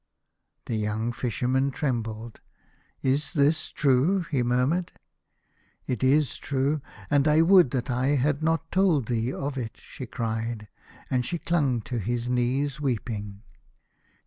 The young Fisherman trembled. " Is this true ?" he murmured. " It is true, and I would that I had not told thee of it," she cried, and she clung to his knees weeping.